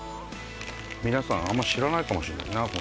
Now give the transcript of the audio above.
皆さんあんま知らないかもしんないな。